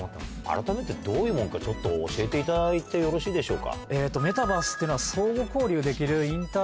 あらためてどういうもんか教えていただいてよろしいでしょうか？